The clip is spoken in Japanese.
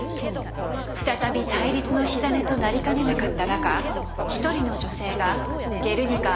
再び対立の火種となりかねなかった中１人の女性が「ゲルニカ」